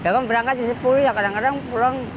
dagang berangkat sepuluh ya kadang kadang pulang